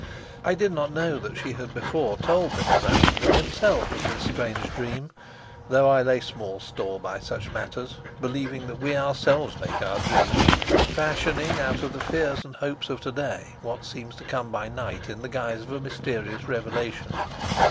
I did not know that she had before told Mr. Rassendyll himself of this strange dream; though I lay small store by such matters, believing that we ourselves make our dreams, fashioning out of the fears and hopes of to day what seems to come by night in the guise of a mysterious revelation.